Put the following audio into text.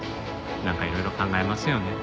なんかいろいろ考えますよね。